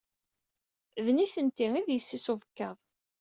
D nitenti ay yessi-s n ubekkaḍ.